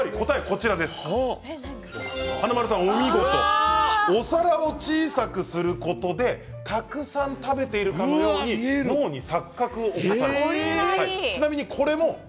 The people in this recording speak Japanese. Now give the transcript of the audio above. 華丸さん正解、お皿を小さくすることでたくさん食べているかのように脳に錯覚をされるんです。